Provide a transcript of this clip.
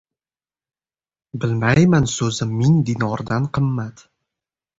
• “Bilmayman” so‘zi ming dinordan qimmat.